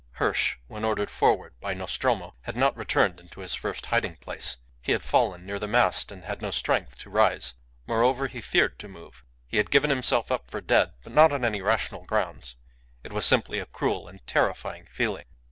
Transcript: Hirsch, when ordered forward by Nostromo, had not returned into his first hiding place. He had fallen near the mast, and had no strength to rise; moreover, he feared to move. He had given himself up for dead, but not on any rational grounds. It was simply a cruel and terrifying feeling.